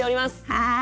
はい。